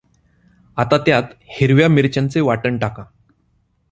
आता त्यात हिरव्या मिरच्यांचे वाटण टाका.